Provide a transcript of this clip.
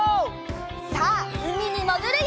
さあうみにもぐるよ！